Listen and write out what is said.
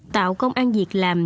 tạo công an việc làm